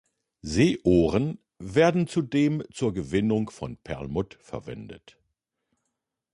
Seeohren werden zudem zur Gewinnung von Perlmutt verwendet.